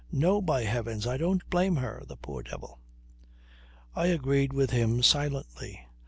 "No! by heavens, I don't blame her the poor devil." I agreed with him silently.